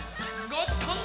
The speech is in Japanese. ゴットン！